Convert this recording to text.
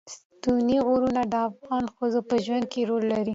ستوني غرونه د افغان ښځو په ژوند کې رول لري.